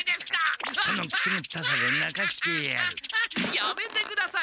やめてください！